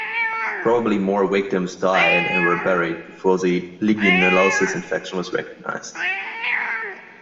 Probably more victims died and were buried before the legionellosis infection was recognized.